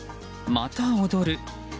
また踊る。